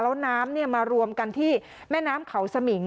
แล้วน้ำมารวมกันที่แม่น้ำเขาสมิง